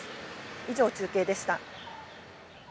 以上、中継でした。